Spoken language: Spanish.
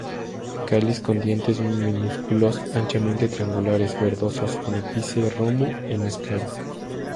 Cáliz con dientes minúsculos, anchamente triangulares, verdosos, con ápice romo y más claro.